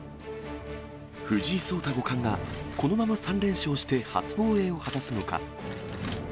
藤井聡太五冠が、このまま３連勝して初防衛を果たすのか。